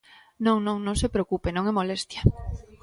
Non, non, non se preocupe, non é molestia.